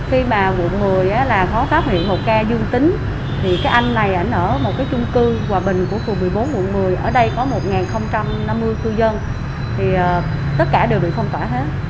hòa bình của khu một mươi bốn quận một mươi ở đây có một năm mươi cư dân tất cả đều bị phong tỏa hết